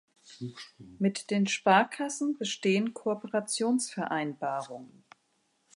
Mit den Sparkassen bestehen Kooperationsvereinbarungen.